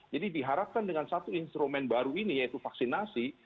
jadi diharapkan dengan satu instrumen baru ini yaitu vaksinasi